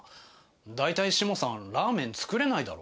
大体下さん、ラーメン作れないだろ。